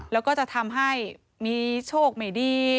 แล้วก็จะทำให้มีโชคไม่ดี